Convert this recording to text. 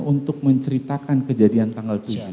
untuk menceritakan kejadian tanggal tujuh